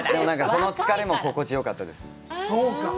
その疲れも心地よかったです。